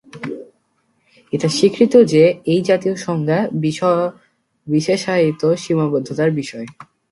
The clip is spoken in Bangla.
এটা স্বীকৃত যে, এই জাতীয় সংজ্ঞা বিশেষায়িত সীমাবদ্ধতার বিষয়।